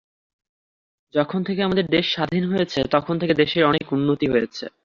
যখন থেকে আমাদের দেশ স্বাধীন হয়েছে তখন থেকে দেশের অনেক উন্নতি হয়েছে।